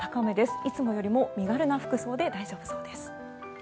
いつもより身軽な服装で大丈夫そうです。